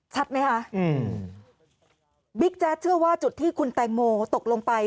ชัดไหมคะอืมบิ๊กแจ๊ดเชื่อว่าจุดที่คุณแตงโมตกลงไป